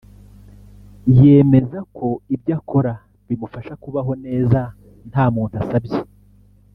yemeza ko ibyo akora bimufasha kubaho neza nta muntu asabye